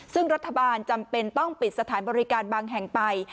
ซึ่งรัฐบาลจำเป็นต้องปิดสถานบริการบางแห่งไป